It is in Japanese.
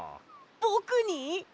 ぼくに？